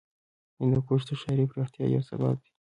هندوکش د ښاري پراختیا یو سبب دی.